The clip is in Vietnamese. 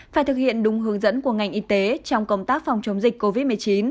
phải thực hiện đúng hướng dẫn của ngành y tế trong công tác phòng chống dịch covid một mươi chín